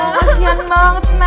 kasian banget mel